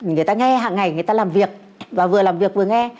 người ta nghe hàng ngày người ta làm việc và vừa làm việc vừa nghe